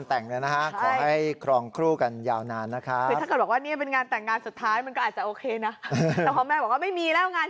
แต่ของแม่บอกว่าไม่มีแล้วงานที่๔